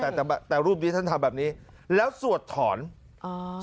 แต่แต่รูปนี้ท่านทำแบบนี้แล้วสวดถอนอ๋อ